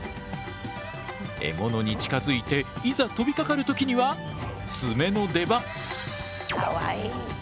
獲物に近づいていざ飛びかかる時には爪の出番。